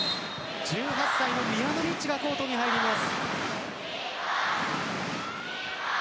１８歳のムヤノビッチがコートに入ります。